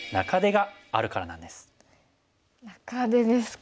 「中手」ですか。